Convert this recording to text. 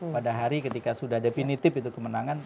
pada hari ketika sudah definitif itu kemenangan